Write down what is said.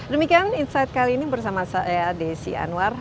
demikian insight kali ini bersama saya desi anwar